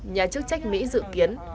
nhà chức trách mỹ dự kiến